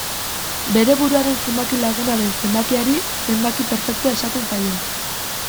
Bere buruaren zenbaki laguna den zenbakiari zenbaki perfektua esaten zaio.